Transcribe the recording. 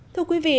thưa quý vị